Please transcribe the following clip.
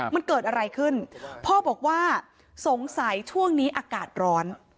มันเกิดอะไรขึ้นพ่อบอกว่าสงสัยช่วงนี้อากาศร้อน